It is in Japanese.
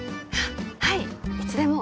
はいいつでも。